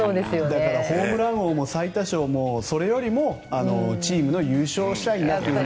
ホームラン王も最多勝もそれよりもチームで優勝したいんだという。